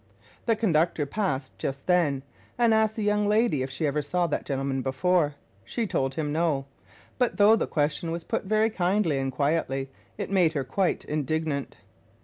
The conductor passed just then, and asked the young lady if she ever saw that gentleman before. She told him No; but, though the question was put very kindly and quietly, it made her quite indignant.